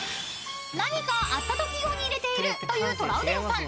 ［何かあったとき用に入れているというトラウデンさん］